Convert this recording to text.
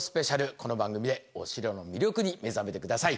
この番組でお城の魅力に目覚めて下さい。